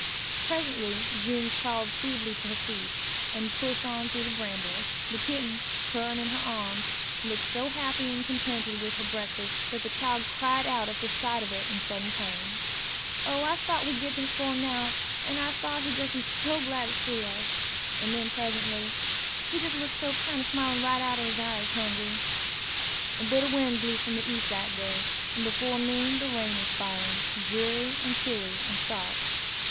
Presently June crawled feebly to her feet, and pushed on through the brambles. The kitten, purring in her arms, looked so happy and contented with her breakfast that the child cried out at the sight of it in sudden pain. "O, I tought we'd git dar 'fore now, an' I tought he'd jes' be so glad to see us!" and then presently, "He jes' look so kinder smilin' right out ob his eyes, Hungry!" A bitter wind blew from the east that day, and before noon the rain was falling, dreary and chilly and sharp.